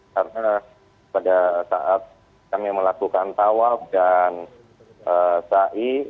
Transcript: karena pada saat kami melakukan tawaf dan fa'i